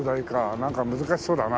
なんか難しそうだな。